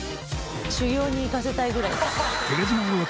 修行に行かせたいぐらい。